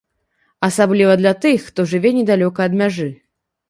Асабліва для тых, хто жыве недалёка ад мяжы.